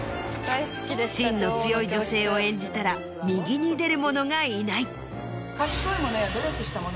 芯の強い女性を演じたら右に出る者がいない。